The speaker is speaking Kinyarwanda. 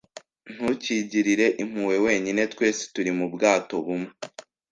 Ntukigirire impuhwe wenyine. Twese turi mubwato bumwe.